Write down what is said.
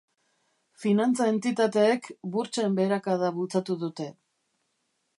Finantza-entitateek burtsen beherakada bultzatu dute.